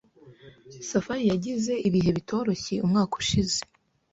Safari yagize ibihe bitoroshye umwaka ushize.